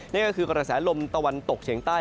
นั่นก็คือกระแสลมตะวันตกเฉียงใต้